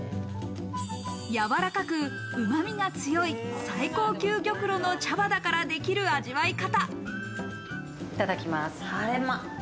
やわらかく、うまみが強い最高級玉露の茶葉だからできる味わい方。